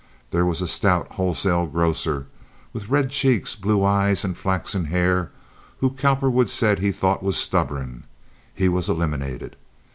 There was a stout wholesale grocer, with red cheeks, blue eyes, and flaxen hair, who Cowperwood said he thought was stubborn. He was eliminated.